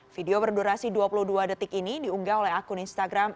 video berdurasi dua puluh dua detik ini diunggah oleh akun instagram